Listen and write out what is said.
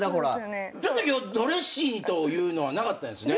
ちょっと今日ドレッシーというのはなかったんですね。